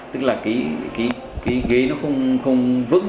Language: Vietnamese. tức là cái ghế nó không vững